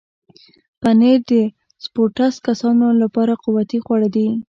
پنېر د سپورټس کسانو لپاره قوتي خواړه دي.